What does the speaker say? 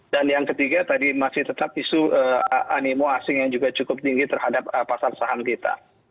dan yang ketiga tadi masih tetap isu animo asing yang juga cukup tinggi terhadap pasar saham kita